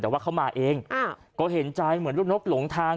แต่ว่าเขามาเองก็เห็นใจเหมือนลูกนกหลงทาง